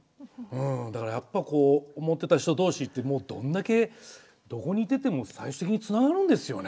だからやっぱこう思ってた人同士ってどんだけどこにいてても最終的につながるんですよね。